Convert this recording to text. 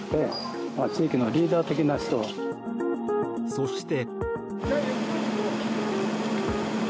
そして。